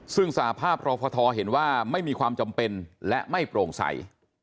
ซึ่งสหภาพรอฟทเห็นว่าไม่มีความจำเป็นและไม่โปร่งใส